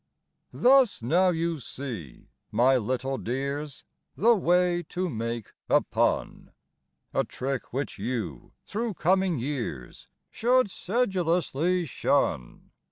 Thus now you see, my little dears, the way to make a pun; A trick which you, through coming years, should sedulously shun.